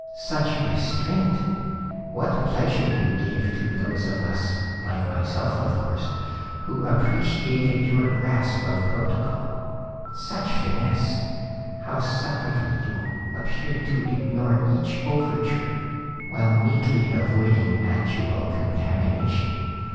"Such restraint! What pleasure you gave to those of us, like myself of course, who appreciated your grasp of protocol. Such finesse! How subtly you appeared to ignore each overture, while neatly avoiding actual contamination.